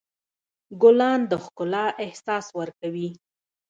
ګلان د ښکلا احساس ورکوي.